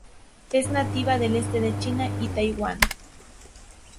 Es nativa del este de China y Taiwan.